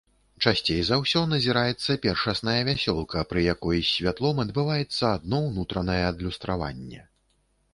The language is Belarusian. Часцей за ўсё назіраецца першасная вясёлка, пры якой з святлом адбываецца адно ўнутранае адлюстраванне.